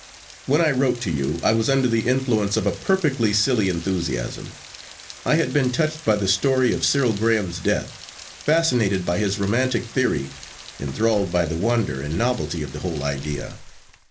'When I wrote to you I was under the influence of a perfectly silly enthusiasm. I had been touched by the story of Cyril Graham's death, fascinated by his romantic theory, enthralled by the wonder and novelty of the whole idea.